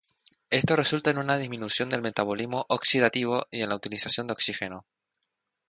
Esto resulta en una disminución del metabolismo oxidativo y en la utilización de oxígeno.